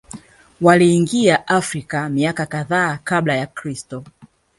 Waliingia Afrika miaka kadhaa Kabla ya Kristo